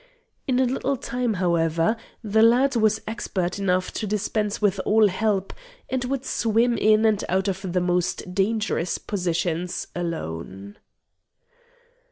In a little time, however, the lad was expert enough to dispense with all help, and would swim in and out of the most dangerous positions alone.